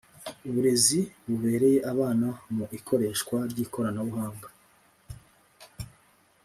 Uburezi bubereye abana mu ikoreshwa ry’ ikoranabuhanga